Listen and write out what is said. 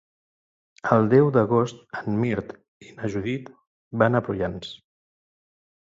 El deu d'agost en Mirt i na Judit van a Prullans.